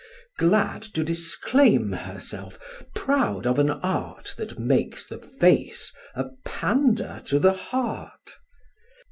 Glad to disclaim herself, proud of an art That makes the face a pandar to the heart.